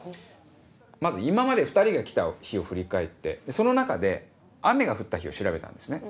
まず今まで２人が来た日を振り返ってその中で雨が降った日を調べたんですね。